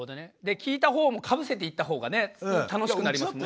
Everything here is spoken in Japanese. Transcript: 聞いたほうもかぶせていったほうがね楽しくなりますもんね。